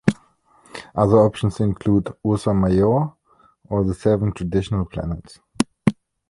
Other options include Ursa Major, or the seven traditional planets.